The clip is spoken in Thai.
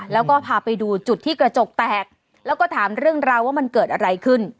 แล้วก็พาไปดูจุดที่กระจกแตกแล้วก็ถามเรื่องราวว่ามันเกิดอะไรขึ้น